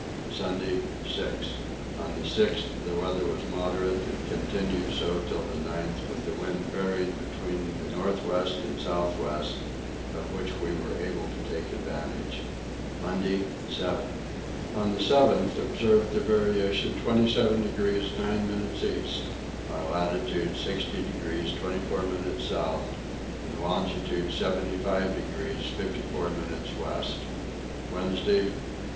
Sunday 6. On the 6th the weather was moderate and continued so till the 9th with the wind veering between the north west and south west; of which we were able to take advantage. Monday 7. On the 7th observed the variation 27 degrees 9 minutes east; our latitude 60 degrees 24 minutes south and longitude 75 degrees 54 minutes west. Wednesday 9.